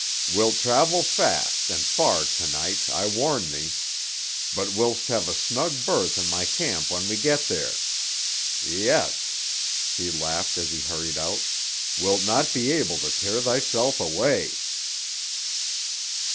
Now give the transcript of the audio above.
Wilt travel fast and far to night, I warn thee. But willst have a snug berth in my camp when we get there. Yes," he laughed as he hurried out, "wilt not be able to tear thyself away."